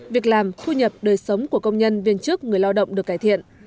việc làm thu nhập đời sống của công nhân viên chức người lao động được cải thiện